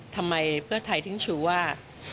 ทำไมเพื่อไทยถึงชูว่า